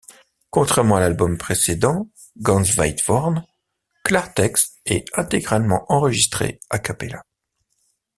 Contrairement à l'album précédent, Ganz weit vorne, Klartext est intégralement enregistré a cappella.